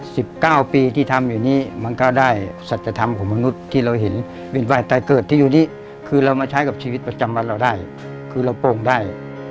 สิบเก้าปีที่ทำอยู่นี้มันก็ได้สัจธรรมของมนุษย์ที่เราเห็นเป็นฝ่ายตายเกิดที่อยู่นี้คือเรามาใช้กับชีวิตประจำวันเราได้คือเราโป่งได้